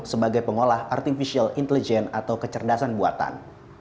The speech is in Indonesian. sebagai pengolah artificial intelligence atau kecerdasan buatan